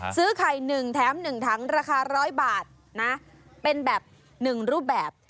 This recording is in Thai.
ซื้อไข่๑แถม๑ถังราคา๑๐๐บาทนะเป็นแบบ๑รูปแบบ